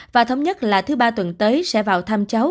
và thống nhất là thứ ba tuần tới sẽ vào thăm cháu